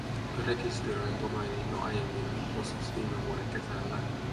Rekisteröin domainin jo aiemmin, joskus viime vuoden kesällä.